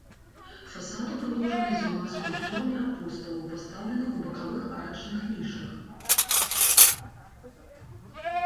Фасад упрыгожаны дзвюма скульптурамі апосталаў, пастаўленых у бакавых арачных нішах.